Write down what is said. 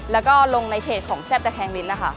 และก็ลงในเพจของแทรฟแตะแคงบิ้นนะคะ